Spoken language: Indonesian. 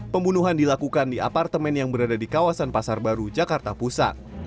pembunuhan dilakukan di apartemen yang berada di kawasan pasar baru jakarta pusat